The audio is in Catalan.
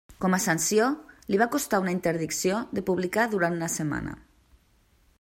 Com a sanció li va costar una interdicció de publicar durant una setmana.